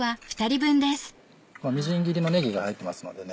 みじん切りのねぎが入ってますのでね